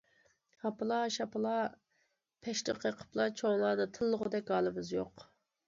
ھاپىلا- شاپىلا پەشنى قېقىپلا چوڭلارنى تىللىغۇدەك ھالىمىز يوق.